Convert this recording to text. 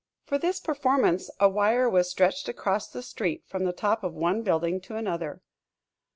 For this performance a wire was stretched across the street from the top of one building to another.